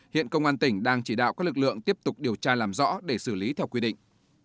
hiện công an tỉnh đang chỉ đạo các lực lượng tiếp tục điều tra làm rõ để xử lý theo quy định